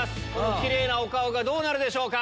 キレイなお顔がどうなるでしょうか？